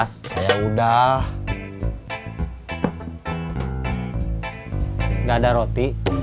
lalu jalan rik winter